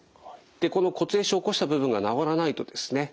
でこの骨壊死を起こした部分が治らないとですね